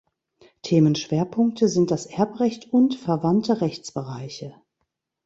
Themenschwerpunkte sind das Erbrecht und verwandte Rechtsbereiche.